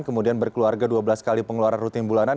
kemudian berkeluarga dua belas kali pengeluaran rutin bulanan